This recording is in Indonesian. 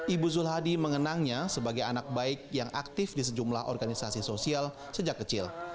ibu zul hadi mengenangnya sebagai anak baik yang aktif di sejumlah organisasi sosial sejak kecil